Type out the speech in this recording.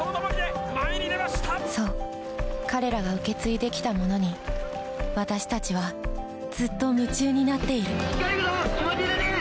そう彼らが受け継いできたものに私たちはずっと夢中になっている・行けるぞ！